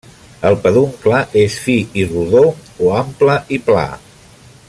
El peduncle és fi i rodó o ample i pla.